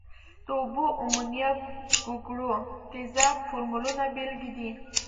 د اوبو، امونیا، ګوګړو تیزاب فورمولونه بیلګې دي.